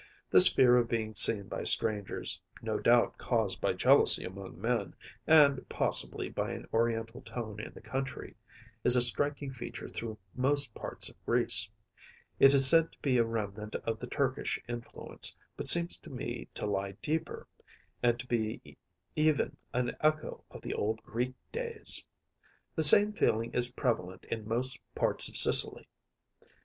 This fear of being seen by strangers‚ÄĒno doubt caused by jealousy among men, and, possibly, by an Oriental tone in the country‚ÄĒis a striking feature through most parts of Greece. It is said to be a remnant of the Turkish influence, but seems to me to lie deeper, and to be even an echo of the old Greek days. The same feeling is prevalent in most parts of Sicily.